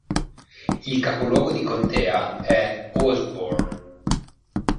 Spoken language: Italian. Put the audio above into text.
Il capoluogo di contea è Osborne